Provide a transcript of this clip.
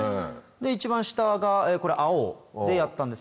で一番下が青でやったんです。